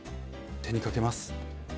手にかけます。